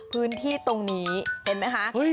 พื้นที่ตรงนี้เห็นไหมคะ